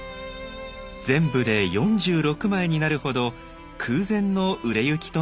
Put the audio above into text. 全部で４６枚になるほど空前の売れ行きとなりました。